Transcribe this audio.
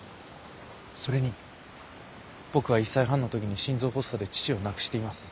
それに僕は１歳半の時に心臓発作で父を亡くしています。